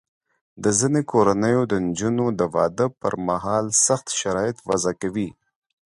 د ځینو کورنیو د نجونو د واده پر مهال سخت شرایط وضع کوي.